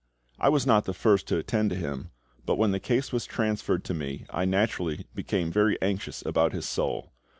I was not the first to attend to him, but when the case was transferred to me, I naturally became very anxious about his soul.